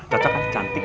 cocok kan cantik